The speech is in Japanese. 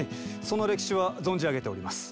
その歴史は存じ上げております。